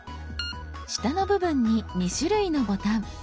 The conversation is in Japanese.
下の部分に２種類のボタン。